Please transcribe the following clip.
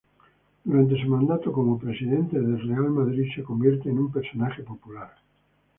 Durante su mandato como presidente del Real Madrid se convierte en un personaje popular.